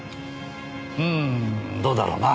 うんどうだろうな。